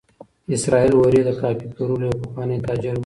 اسراییل اوري د کافي پلورلو یو پخوانی تاجر و.